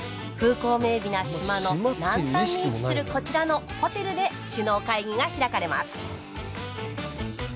光明美な島の南端に位置するこちらのホテルで首脳会議が開かれます